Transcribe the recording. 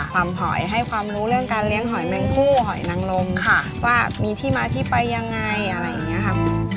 หอยให้ความรู้เรื่องการเลี้ยงหอยแมงผู้หอยนังลมว่ามีที่มาที่ไปยังไงอะไรอย่างนี้ค่ะ